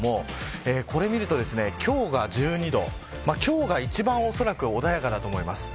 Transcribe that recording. これを見ると、今日が１２度今日が一番おそらく穏やかだと思います。